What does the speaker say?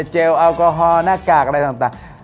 แอลกอฮอลหน้ากากอะไรต่าง